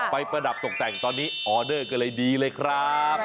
ประดับตกแต่งตอนนี้ออเดอร์ก็เลยดีเลยครับ